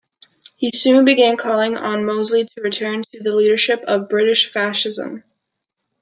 He soon began calling on Mosley to return to the leadership of British fascism.